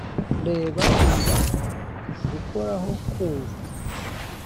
reba, umva, gukoraho, kumva.